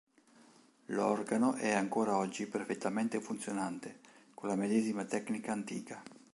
L'organo è ancora oggi perfettamente funzionante, con la medesima tecnica antica.